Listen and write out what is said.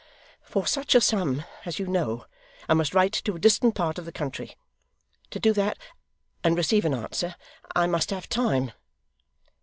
'For such a sum, as you know, I must write to a distant part of the country. To do that, and receive an answer, I must have time.